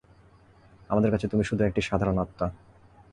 আমাদের কাছে তুমি শুধু একটি সাধারণ আত্মা।